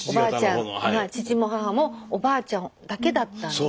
父も母もおばあちゃんだけだったので。